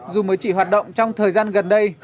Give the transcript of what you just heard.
dù mới chỉ hoạt động trong thời gian gần đây